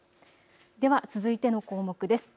では続いての項目です。